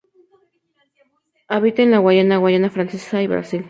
Habita en la Guayana, Guayana Francesa y Brasil.